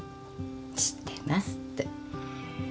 「知ってます」って。